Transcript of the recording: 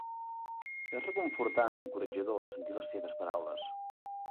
És reconfortant i encoratjador sentir les seves paraules.